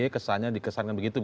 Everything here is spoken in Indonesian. kesannya dikesankan begitu